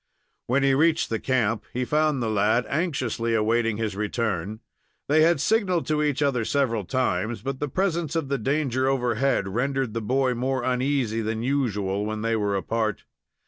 When he reached the camp, he found the lad anxiously awaiting his return. They had signaled to each other several times, but the presence of the danger overhead rendered the boy more uneasy than usual when they were apart.